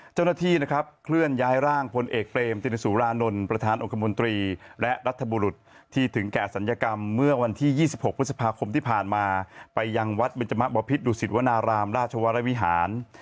เจ้าหน้าที่นะครับเคลื่อนย้ายร่างพลเอกเปรมตินสุรานนท์ประธานองคมนตรีและรัฐบุรุษที่ถึงแก่ศัลยกรรมเมื่อวันที่๒๖พฤษภาคมที่ผ่านมาไปยังวัดเบนจมะบพิษดุสิตวนารามราชวรวิหาร